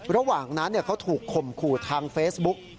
ระหว่างนั้นเขาถูกข่มขู่ทางเฟซบุ๊ก